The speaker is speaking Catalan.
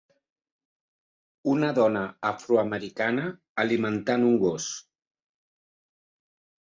Una dona afroamericana alimentant un gos.